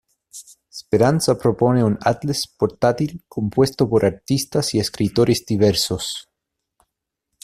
Speranza propone un Atlas portátil compuesto por artistas y escritores diversos.